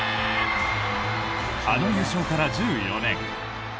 あの優勝から１４年。